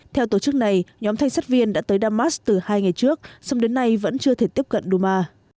theo tổ chức này nhóm thanh sát viên đã tới damas từ hai ngày trước xong đến nay vẫn chưa thể tiếp cận duma